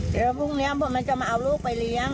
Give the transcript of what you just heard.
เดี๋ยวพรุ่งนี้บนมันจะมาเอาลูกไปเลี้ยง